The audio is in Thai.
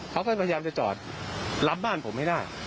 เขาก็พยายามจะจอดรับบ้านผมให้ได้